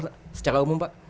bagaimana cara umum pak